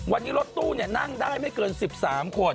วันนี้รถตู้นั่งได้ไม่เกิน๑๓คน